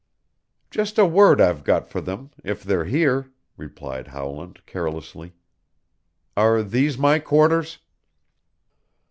"Just a word I've got for them if they're here," replied Howland carelessly. "Are these my quarters?"